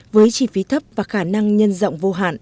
với chi phí thấp và khả năng nhân rộng vô hạn